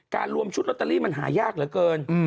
รวมชุดลอตเตอรี่มันหายากเหลือเกิน